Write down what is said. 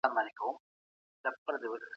پيغمبر د عدل نمونه وه.